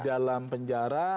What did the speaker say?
di dalam penjara